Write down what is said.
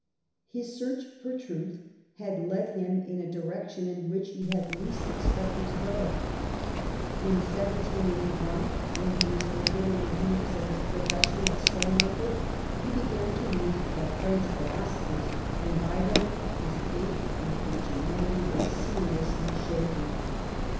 His search for truth led him in a direction in which he had least expected to go. In 1781, when he was ful filling the duties of his profession at Stowmarket, he began to read the French philosophers, and by them his faith in Christianity was seriously shaken.